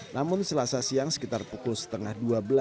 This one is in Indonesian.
namun selasa siang sekitar pukul setengah dua belas